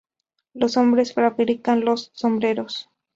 Los hombres fabrican los sombreros.